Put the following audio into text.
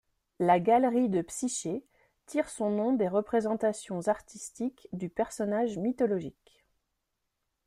La galerie de Psyché tire son nom des représentations artistiques du personnage mythologique.